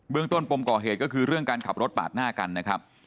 เรื่องต้นปมก่อเหตุก็คือเรื่องการขับรถปาดหน้ากันนะครับ